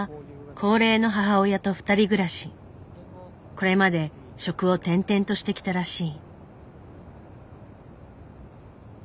これまで職を転々としてきたらしい。